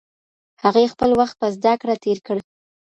هغې خپل وخت په زده کړه تېر کړ.